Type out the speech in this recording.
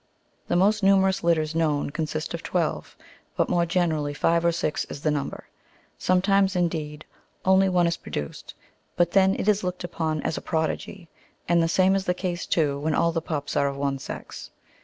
The most numerous litters known consist of twelve, but more generally five or six is the number ; sometimes, indeed, only one is pro duoed, but then it is looked upon as a prodigy, and the same is the case, too, when all the pups are of one sex.